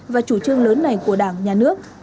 và chủ trương lớn này của đảng nhà nước